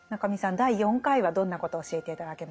第４回はどんなことを教えて頂けますか？